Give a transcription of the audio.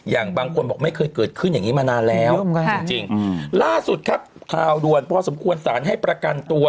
บางคนบอกไม่เคยเกิดขึ้นอย่างนี้มานานแล้วจริงล่าสุดครับข่าวด่วนพอสมควรสารให้ประกันตัว